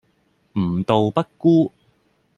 吾道不孤